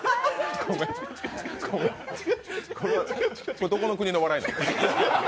これ、どこの国の笑いなの？